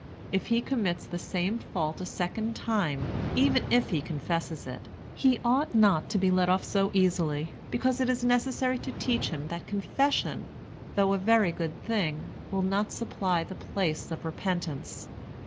If he commits the same fault a second time, even if he confesses it, he ought not to be let off so easily, because it is necessary to teach him that confession, though a very good thing, will not supply the place of repentance.